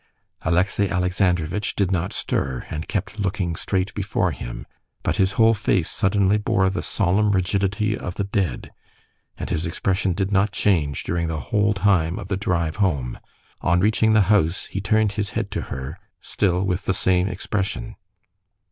Alexey Alexandrovitch did not stir, and kept looking straight before him. But his whole face suddenly bore the solemn rigidity of the dead, and his expression did not change during the whole time of the drive home. On reaching the house he turned his head to her, still with the same expression.